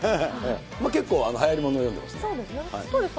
結構、はやりもの読むんですよ。